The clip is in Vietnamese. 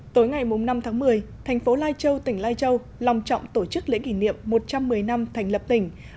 tối ngày năm tháng một mươi thành phố lai châu tỉnh lai châu lòng trọng tổ chức lễ kỷ niệm một trăm một mươi năm thành lập tỉnh